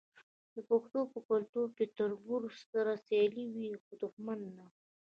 د پښتنو په کلتور کې د تربور سره سیالي وي خو دښمني نه.